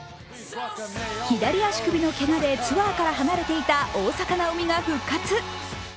左足首のけがでツアーから離れていた大坂なおみが復活。